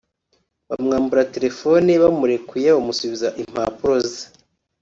bamwambura telefone bamurekuye bamusubiza impapuro ze